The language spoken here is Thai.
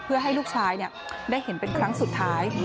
เพื่อให้ลูกชายได้เห็นเป็นครั้งสุดท้าย